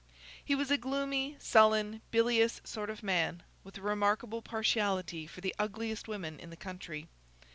He was a gloomy, sullen, bilious sort of man, with a remarkable partiality for the ugliest women in the country.